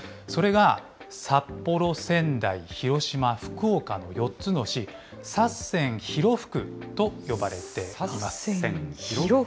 それが札幌、仙台、広島、福岡の４つの市、札仙広福と呼ばれています。